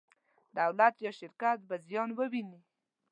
دولت یا شرکت به زیان وویني.